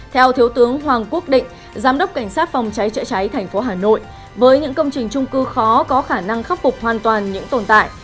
theo thiếu tướng hoàng quốc định giám đốc cảnh sát phòng cháy chữa cháy thành phố hà nội với những công trình trung cư khó có khả năng khắc phục hoàn toàn những tồn tại